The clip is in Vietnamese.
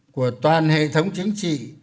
của toàn hệ thống chính trị